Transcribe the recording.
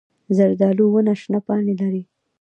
زردالو ونه شنه پاڼې لري.